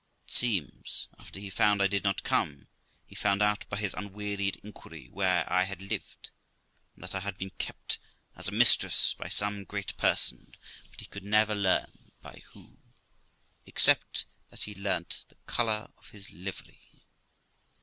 It seems, after he found I did not come, he found out by his unwearied inquiry where I had lived, and that I had been kept as a mistress by some great person; but he could never learn by who, except, that he learnt the colour of his livery.